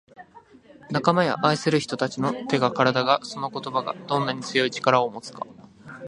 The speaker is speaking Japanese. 「仲間や愛する人達の手が体がその言葉がどんなに強い力を持つか」